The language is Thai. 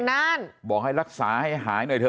นานบอกให้รักษาให้หายหน่อยเถ